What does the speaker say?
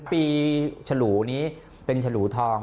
ปีฉลูนี้เป็นฉลูทอง